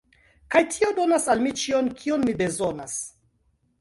kaj tio donas al mi ĉion, kion mi bezonas